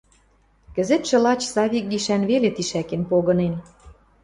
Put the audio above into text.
Кӹзӹтшӹ лач Савик гишӓн веле тишӓкен погынен.